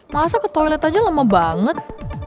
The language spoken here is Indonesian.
masuk ke toilet aja lama banget